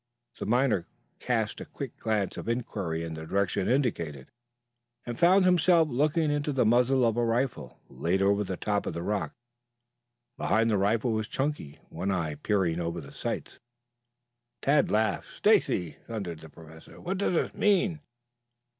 The miner cast a quick glance of inquiry in the direction indicated, and found himself looking into the muzzle of a rifle, laid over the top of the rock. Behind the rifle was Chunky, one eye peering over the sights. Tad laughed. "Stacy!" thundered the Professor. "What does this mean?"